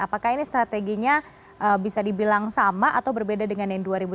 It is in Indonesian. apakah ini strateginya bisa dibilang sama atau berbeda dengan dua ribu delapan